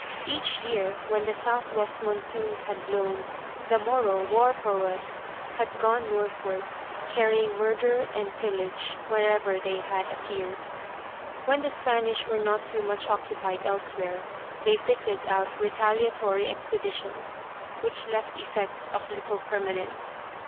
Each year when the southwest monsoons had blown, the Moro war proas had gone northward carrying murder and pillage wherever they had appeared. When the Spanish were not too much occupied elsewhere they fitted out retaliatory expeditions which left effects of little permanence.